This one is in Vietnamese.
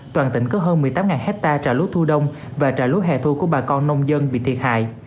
toàn tỉnh có hơn một mươi tám hectare trà lúa thu đông và trà lúa hẻ thu của bà con nông dân bị thiệt hại